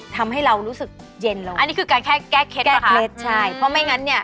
ส้อยอะไรอย่างนี้คือใส่